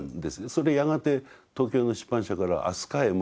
それやがて東京の出版社からああ